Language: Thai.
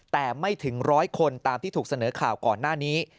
แต่ไม่ถึงร้อยคนตามที่ถูกเสนอข่าวก่อนหน้านี้